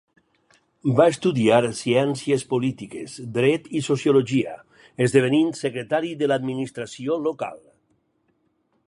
Va estudiar Ciències polítiques, dret i sociologia, esdevenint secretari de l'administració local.